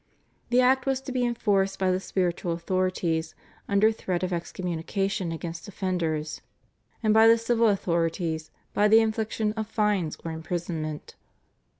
The Act was to be enforced by the spiritual authorities under threat of excommunication against offenders, and by the civil authorities by the infliction of fines or imprisonment.